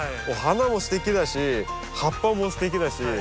もう花もすてきだし葉っぱもすてきだし